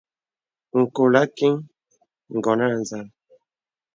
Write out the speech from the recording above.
Ǹkɔl àkìŋ ngɔn à nzàl.